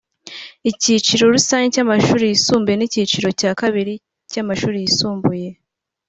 icyiciro rusange cy’amashuri yisumbuye n’icyiciro cya kabiri cy’amashuri yisumbuye